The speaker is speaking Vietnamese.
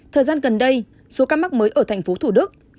thời gian gần đây số các mắc mới ở tp hcm